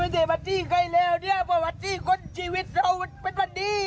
สวัสดีครับ